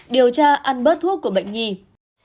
điều tra ăn bớt thuốc của bệnh viện nhi nam định